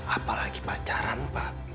apalagi pacaran pak